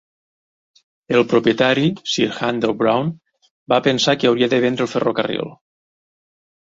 El propietari, sir Handel Brown, va pensar que hauria de vendre el ferrocarril.